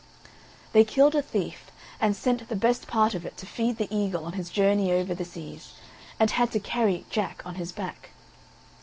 They killed a thief, and sent the best part of it to feed the eagle on his journey over the seas, and had to carry Jack on his back.